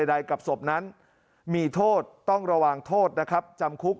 ใดกับศพนั้นมีโทษต้องระวังโทษนะครับจำคุก